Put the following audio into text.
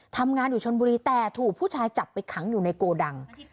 ทำงานอยู่ชนบุรีแต่ถูกผู้ชายจับไปขังอยู่ในโกดัง